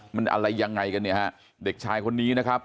มันอะไรยังไงกันเนี่ยฮะเด็กชายคนนี้นะครับ